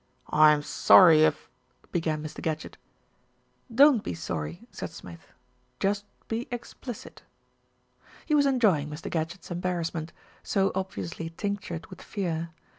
"I am sorry if " began Mr. Gadgett. "Don't be sorry," said Smith, "just be explicit." He was enjoying Mr. Gadgett's embarrassment, so obviously tinctured with fear.